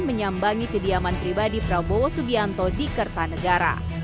menyambangi kediaman pribadi prabowo subianto di kertanegara